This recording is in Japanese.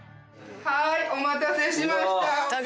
はいお待たせしました。